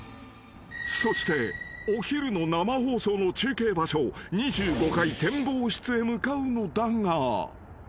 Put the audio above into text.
［そしてお昼の生放送の中継場所２５階展望室へ向かうのだが］